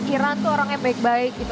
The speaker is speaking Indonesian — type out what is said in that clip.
kira tuh orangnya baik baik gitu